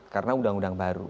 karena uu baru